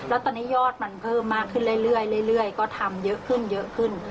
แล้วตอนนี้ยอดมันเพิ่มมากขึ้นเรื่อยก็ทำเยอะขึ้นเยอะขึ้น